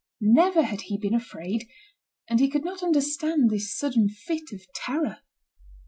Never had he been afraid, and he could not understand this sudden fit of terror.